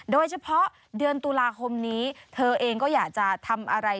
โดยเฉพาะเดือนตุลาคมนี้เธอเองก็อยากจะทำอะไร